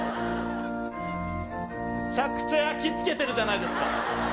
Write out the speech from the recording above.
むちゃくちゃ焼き付けてるじゃないですか。